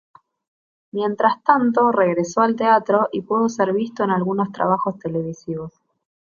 Mientras tanto, regresó al teatro y pudo ser visto en algunos trabajos televisivos.